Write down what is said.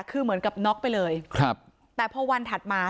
คือเหมือนกับน็อกไปเลยครับแต่พอวันถัดมา